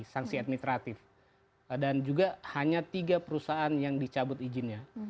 sanksi administratif dan juga hanya tiga perusahaan yang dicabut izinnya